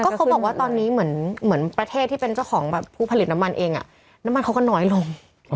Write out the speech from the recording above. เขาบอกว่าตอนนี้เหมือนประเทศที่เป็นเจ้าของผู้ผลิตน้ำมันเองน้ำมันเขาก็น้อยลง